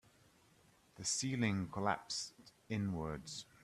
The ceiling collapsed inwards.